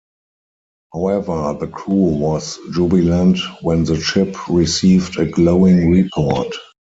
However, the crew was jubilant when the ship received a glowing report.